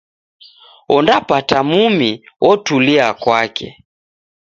Ondapata mumi, otulia kwake